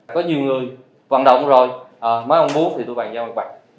có nhiều người vận động rồi mấy ông muốn thì tôi bàn giam mặt bằng